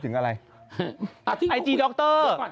จึงอะไรไอจีดร